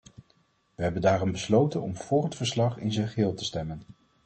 We hebben daarom besloten om voor het verslag in zijn geheel te stemmen.